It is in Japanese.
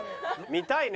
見たいね。